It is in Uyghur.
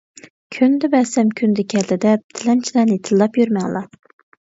كۈندە بەرسەم كۈندە كەلدى دەپ، تىلەمچىلەرنى تىللاپ يۈرمەڭلار.